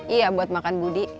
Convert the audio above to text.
iya buat makan budi